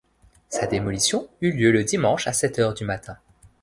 Sa démolition eut lieu le dimanche à sept heures du matin.